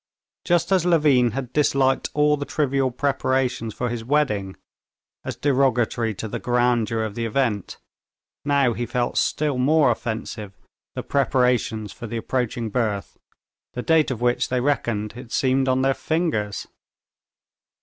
Just as Levin had disliked all the trivial preparations for his wedding, as derogatory to the grandeur of the event, now he felt still more offensive the preparations for the approaching birth, the date of which they reckoned, it seemed, on their fingers.